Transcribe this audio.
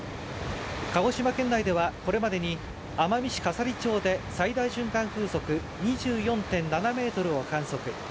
鹿児島県内ではこれまでに奄美市笠利町で最大瞬間風速２４．７メートルを観測。